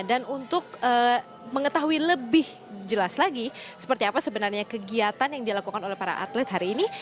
dan untuk mengetahui lebih jelas lagi seperti apa sebenarnya kegiatan yang dilakukan oleh para atlet hari ini